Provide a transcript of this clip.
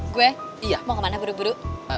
gue iya mau kemana buru buru